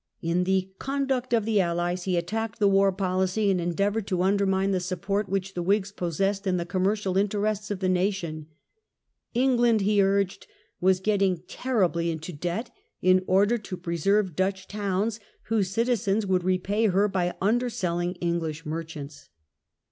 In the Conduct of the Allies he attacked the war policy, and endeavoured to undermine the support which the Whigs possessed in the commercial interests of the nation : England, he urged, was getting terribly into debt in order to preserve Dutch towns, whose citizens would repay her by underselling English merchants.